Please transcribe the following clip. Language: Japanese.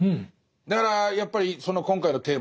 だからやっぱりその今回のテーマのね